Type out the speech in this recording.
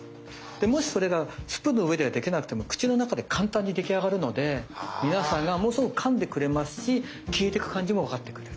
でもしそれがスプーンの上ではできなくても口の中で簡単に出来上がるので皆さんがものすごくかんでくれますし消えていく感じもわかってくれる。